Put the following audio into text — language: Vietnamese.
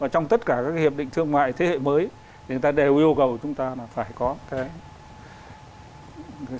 trong tất cả các hiệp định thương mại thế hệ mới thì người ta đều yêu cầu chúng ta là phải có cái